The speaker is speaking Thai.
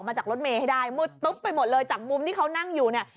จากรถเมย์ให้ได้มืดตุ๊บไปหมดเลยจากมุมที่เขานั่งอยู่เนี่ย